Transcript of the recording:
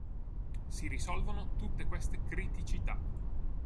Si risolvono tutte queste criticità.